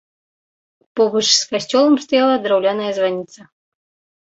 Побач з касцёлам стаяла драўляная званіца.